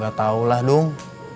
gak tahulah dung